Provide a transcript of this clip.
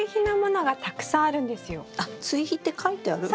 あっ「ついひ」って書いてある。